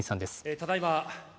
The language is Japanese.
ただいま